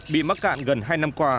bị mắc cạn gần hai năm qua